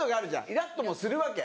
イラっともするわけ。